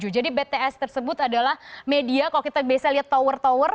jadi bts tersebut adalah media kalau kita bisa lihat tower tower